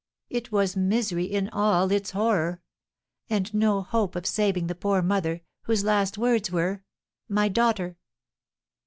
It was misery in all its horror! And no hope of saving the poor mother, whose last words were, 'My daughter!'"